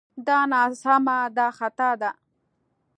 دا ناسمه دا خطا ده